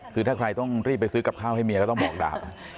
คือถ้าใครต้องรีบไปซื้อกับข้าวให้เมียก็ต้องบอกดาบ